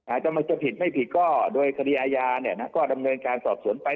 อาจจะมันจะผิดไม่ผิดก็โดยคดีอาญาเนี่ยนะก็ดำเนินการสอบสวนไป